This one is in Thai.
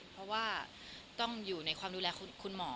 เพราะว่าต้องอยู่ในความดูแลคุณหมอ